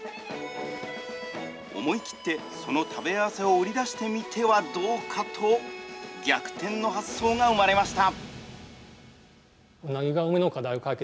思い切ってその食べ合わせを売り出してみてはどうかと逆転の発想が生まれました。